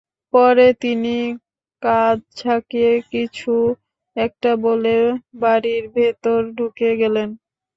পরে তিনি কাঁধ ঝাঁকিয়ে কিছু একটা বলে বাড়ির ভেতর ঢুকে গেলেন।